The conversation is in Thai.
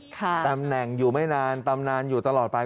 ตำแหน่งอยู่ไม่นานตำนานอยู่ตลอดไป